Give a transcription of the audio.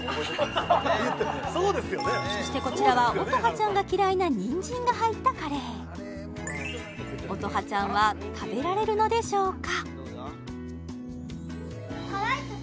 そしてこちらは音羽ちゃんが嫌いなにんじんが入ったカレー音羽ちゃんは食べられるのでしょうか？